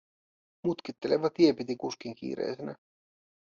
Mutkitteleva tie piti kuskin kiireisenä.